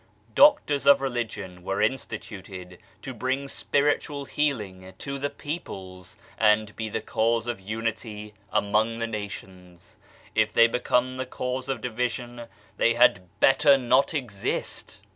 Doctors of religion were instituted to bring spiritual healing to the peoples and to be the cause of unity among the nations. If they become the cause of division they had better not exist